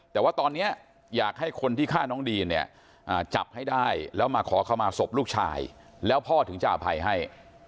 แต่ว่าตอนนี้อยากให้คนที่ฆ่าน้องดีนเนี่ยจับให้ได้แล้วมาขอเข้ามาศพลูกชายแล้วพ่อถึงจะอภัยให้